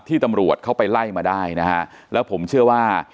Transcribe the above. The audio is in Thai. ตำรวจเข้าไปไล่มาได้นะฮะแล้วผมเชื่อว่า